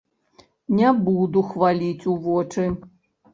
Не буду хваліць у вочы.